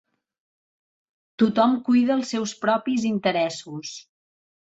Tothom cuida els seus propis interessos.